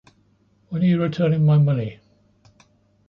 When are you returning my money?